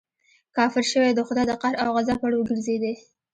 کافر شوې د خدای د قهر او غضب وړ وګرځېدې.